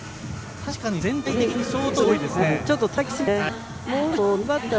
確かに全体的にショートゴロ多いですね。